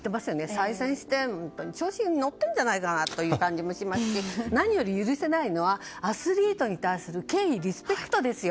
再選して調子に乗ってるんじゃないかなという感じもしますし何より許せないのはアスリートに対する敬意、リスペクトですよ。